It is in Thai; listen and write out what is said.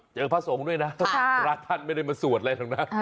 เจอพระโสมด้วยนะราชท่านไม่ได้มาสวดอะไรหรอกนะ